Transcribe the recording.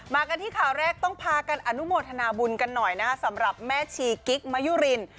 กันที่ข่าวแรกต้องพากันอนุโมทนาบุญกันหน่อยนะคะสำหรับแม่ชีกิ๊กมะยุริน